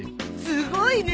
すごいね！